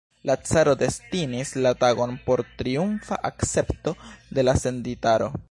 La caro destinis la tagon por triumfa akcepto de la senditaro.